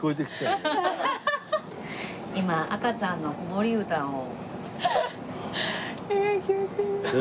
今赤ちゃんの子守歌を。